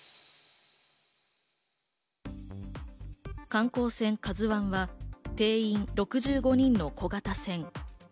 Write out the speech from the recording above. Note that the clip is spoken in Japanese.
観光船「ＫＡＺＵ１」は定員６５人の小型船。